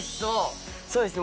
そうですね